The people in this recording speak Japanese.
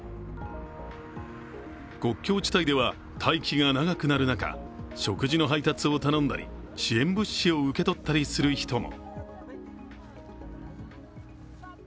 国境地帯では待機が長くなる中、食事の配達を頼んだり、支援物資を受け取ったりする人も。